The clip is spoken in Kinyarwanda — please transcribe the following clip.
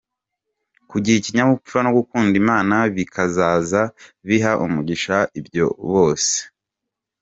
Kugira ikinyabupfura no gukunda Imana bikazaza biha umugisha ibyo bose.